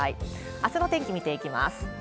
あすの天気見ていきます。